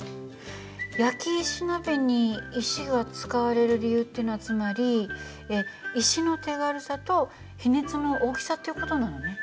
焼き石鍋に石が使われる理由っていうのはつまり石の手軽さと比熱の大きさっていう事なのね。